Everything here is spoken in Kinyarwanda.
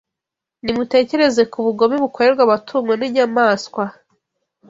Nimutekereze ku bugome bukorerwa amatungo n’inyamaswa